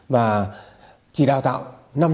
và chỉ đào tạo năm năm